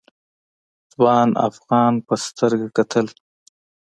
ځوان افغان په سترګه کتل.